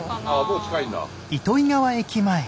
もう近いんだ。